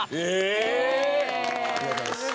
ありがとうございます。